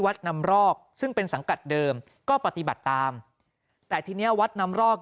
นำรอกซึ่งเป็นสังกัดเดิมก็ปฏิบัติตามแต่ทีเนี้ยวัดนำรอก